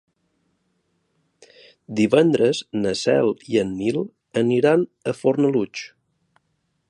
Divendres na Cel i en Nil aniran a Fornalutx.